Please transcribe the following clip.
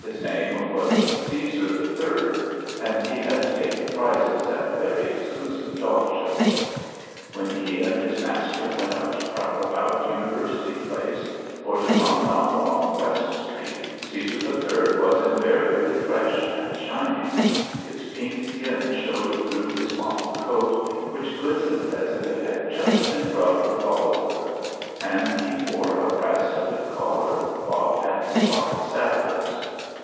His name was Caesar III, and he had taken prizes at very exclusive dog shows. When he and his master went out to prowl about University Place or to promenade along West Street, Caesar III was invariably fresh and shining. His pink skin showed through his mottled coat, which glistened as if it had just been rubbed with olive oil, and he wore a brass studded collar, bought at the smartest saddler's.